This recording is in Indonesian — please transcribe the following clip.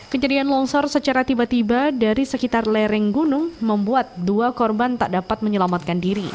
kejadian longsor secara tiba tiba dari sekitar lereng gunung membuat dua korban tak dapat menyelamatkan diri